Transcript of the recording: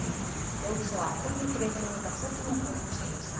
容疑者は先月下旬にガソリンを購入していました。